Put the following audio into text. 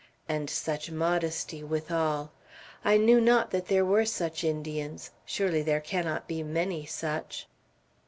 And such modesty, withal. I knew not that there were such Indians; surely there cannot be many such."